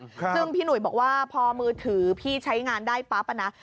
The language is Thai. ซึ่งพี่หนุ่ยบอกว่าพอมือถือพี่ใช้งานได้ปั๊บอ่ะนะ